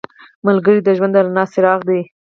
ملګری د ژوند د رڼا څراغ دی